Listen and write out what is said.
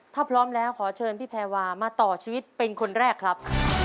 ถ้าพร้อมแล้วขอเชิญพี่แพรวามาต่อชีวิตเป็นคนแรกครับ